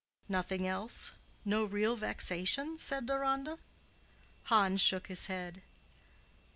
"Nothing else? No real vexation?" said Deronda. Hans shook his head.